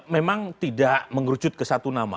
memang tidak mengerucut ke satu nama